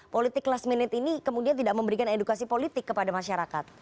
politik last minute ini kemudian tidak memberikan edukasi politik kepada masyarakat